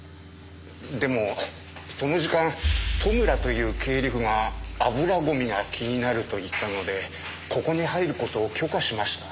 でもその時間戸村という経理夫が油ゴミが気になると言ったのでここに入ることを許可しました。